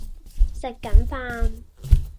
食緊飯